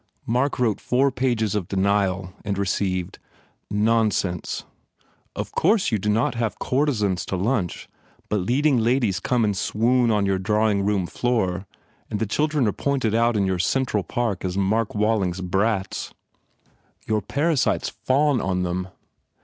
Mark wrote four pages of denial and received: "Nonsense! Of course you do not have courtesans to lunch but leading ladies come and swoon on your drawing room floor and the children are pointed out in your Central Park as Mark Walling s brats. Your parasites fawn on them.